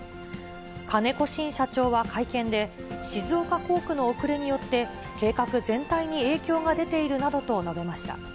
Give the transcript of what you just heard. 金子慎社長は会見で、静岡工区の遅れによって、計画全体に影響が出ているなどと述べました。